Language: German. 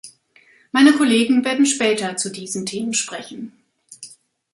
Meine Kollegen werden später zu diesen Themen sprechen.